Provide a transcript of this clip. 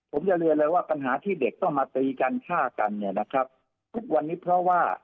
ผมจะเรียนเลยว่าปัญหาที่เด็กต้องมาตีกันฆ่ากันเนี่ยนะครับทุกวันนี้เพราะว่า